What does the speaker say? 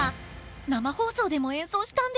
生放送でも演奏したんです！